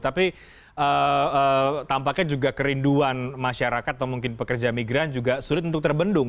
tapi tampaknya juga kerinduan masyarakat atau mungkin pekerja migran juga sulit untuk terbendung